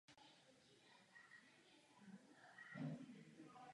Hospodářská krize vyžaduje rychlá řešení.